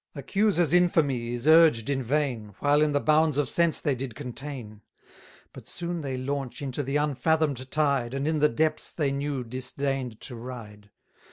40 Accusers' infamy is urged in vain, While in the bounds of sense they did contain; But soon they launch into the unfathom'd tide, And in the depths they knew disdain'd to ride.